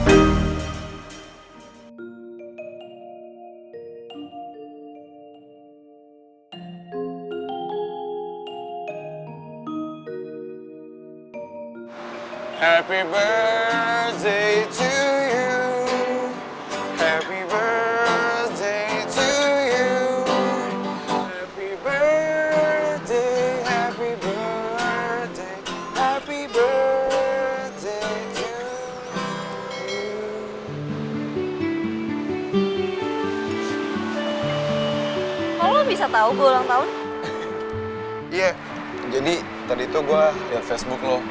iya jadi tadi itu gue liat facebook lo